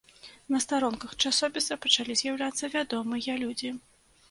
На старонках часопіса пачалі з'яўляцца вядомыя людзі.